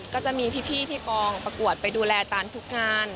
ก็จะมีพี่ที่กองประกวดไปดูแลอาจารย์ทุกงาน